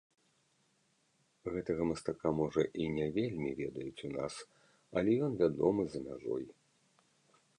Гэтага мастака можа і не вельмі ведаюць у нас, але ён вядомы за мяжой.